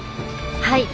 はい。